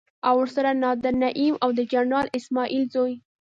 او ورسره نادر نعيم او د جنرال اسماعيل زوی.